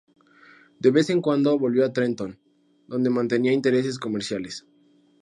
De vez en cuando volvió a Trenton, donde mantenía intereses comerciales.